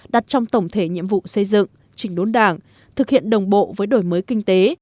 đặt trong tổng thể nhiệm vụ xây dựng chỉnh đốn đảng thực hiện đồng bộ với đổi mới kinh tế